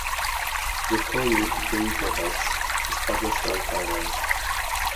Le "Courrier du pays de Retz" is published on Fridays.